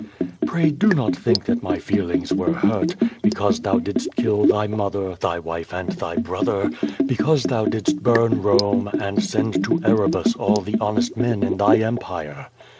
Pray do not think that my feelings were hurt, because thou didst kill thy mother, thy wife, and thy brother, because thou didst burn Rome, and send to Erebus all the hon est men in thy Empire.